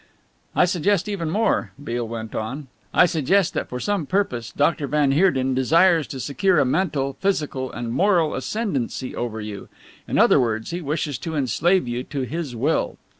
"I suggest even more," Beale went on. "I suggest that for some purpose, Doctor van Heerden desires to secure a mental, physical and moral ascendancy over you. In other words, he wishes to enslave you to his will."